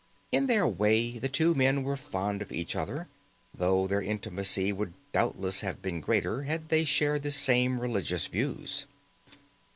In their way the two men were fond of each other, though their intimacy would doubtless have been greater had they shared the same religious views.